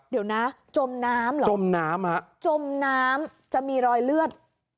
เดี๋ยวนะจมน้ำหรอจมน้ำจะมีรอยเลือด